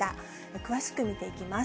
詳しく見ていきます。